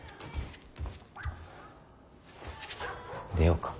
出ようか。